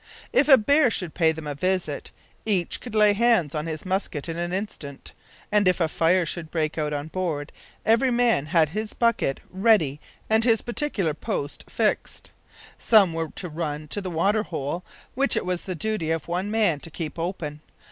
If a bear should pay them a visit, each could lay hands on his musket in an instant; and if a fire should break out on board, every man had his bucket ready and his particular post fixed. Some were to run to the water hole, which it was the duty of one man to keep open.